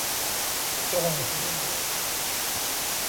โจนส์